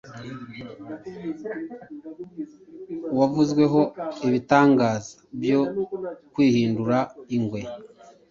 wavuzweho ibitangaza byo kwihindura ingwe,